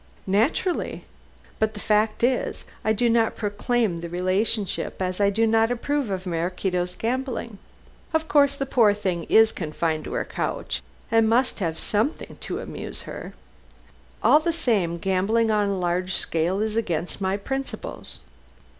"Naturally. But the fact is, I do not proclaim the relationship, as I do not approve of Maraquito's gambling. Of course the poor thing is confined to her couch and must have something to amuse her. All the same, gambling on a large scale is against my principles.